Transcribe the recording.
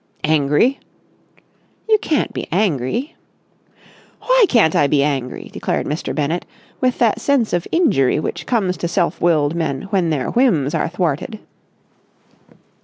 "Angry!" "You can't be angry!" "Why can't I be angry?" declared Mr. Bennett, with that sense of injury which comes to self willed men when their whims are thwarted.